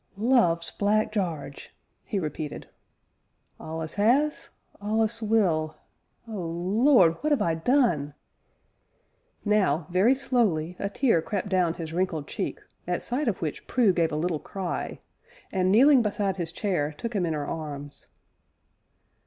"Loves Black Jarge!" he repeated; "allus 'as allus will! Oh, Lord! what 'ave I done?" Now, very slowly, a tear crept down his wrinkled cheek, at sight of which Prue gave a little cry, and, kneeling beside his chair, took him in her arms.